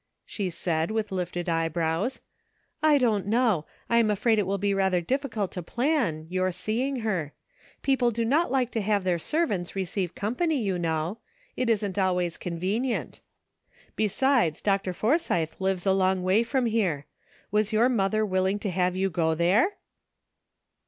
she said, with lifted eyebrows; "I don't know ; I am afraid it will be rather difficult to plan — your seeing her. People do not like to have their servants receive company, you know. It isn't always convenient. Besides, Dr. For ENTERTAINING COMPANY. 275 sytlie lives a long way from here. Was your mother willing to have you go there